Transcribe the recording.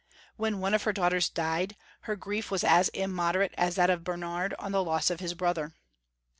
When one of her daughters died, her grief was as immoderate as that of Bernard on the loss of his brother.